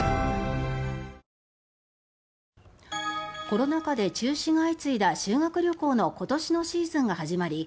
コロナ禍で中止が相次いだ修学旅行の今年のシーズンが始まり